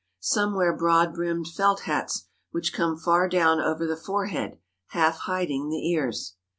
Some wear broad brimmed felt hats which come far down over the forehead, half hiding the ears.